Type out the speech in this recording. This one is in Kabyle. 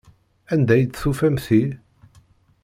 Anda ay d-tufam ti?